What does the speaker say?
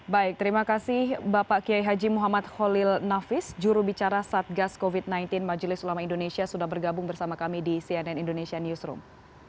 baik terima kasih bapak kiai haji muhammad khalil nafis jurubicara satgas covid sembilan belas majelis ulama indonesia sudah bergabung bersama kami di cnn indonesia newsroom